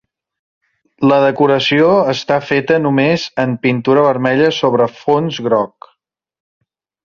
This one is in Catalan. La decoració està feta només en pintura vermella sobre fons groc.